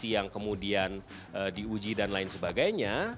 yang kemudian diuji dan lain sebagainya